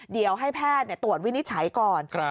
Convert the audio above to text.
เดี๋ยวให้แพทย์เนี้ยตรวจวินิจฉัยก่อนครับ